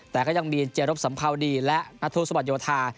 แต่ก็ยังมีเจรบสัมภาวดีและนัทธุสวรรโยธา